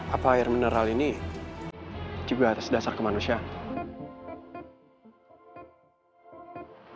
apa air mineral ini juga atas dasar kemanusiaan